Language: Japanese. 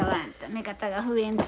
目方が増えんと。